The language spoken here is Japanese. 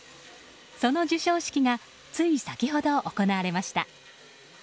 その授賞式がつい先ほど、行われました。